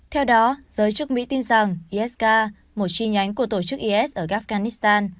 theo đó giới chức mỹ tin rằng isk một chi nhánh của tổ chức is ở afghanistan